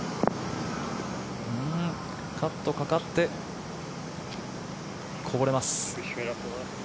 カットかかってこぼれます。